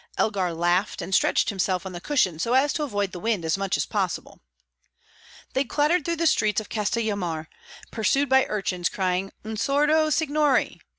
Elgar laughed, and stretched himself on the cushions so as to avoid the wind as much as possible. They clattered through the streets of Castellammare, pursued by urchins, crying, "Un sordo, signori!"